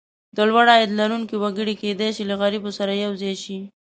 د لوړ عاید لرونکي وګړي کېدای شي له غریبو سره یو ځای شي.